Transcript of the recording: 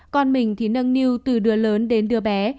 con mình thì nâng niu từ đứa lớn đến đứa bé